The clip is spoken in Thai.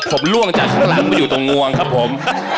ผมล่วงจากข้างหลังมาอยู่ตรงงวงครับผม